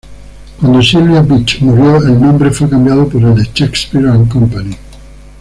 Cuando Sylvia Beach murió, el nombre fue cambiado por el de Shakespeare and Company.